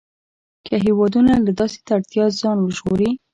که هېوادونه له داسې تړلتیا ځان وژغوري.